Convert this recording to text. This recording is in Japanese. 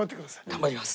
頑張ります。